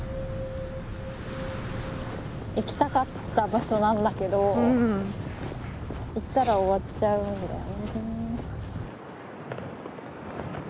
行きたかった場所なんだけど行ったら終わっちゃうんだね。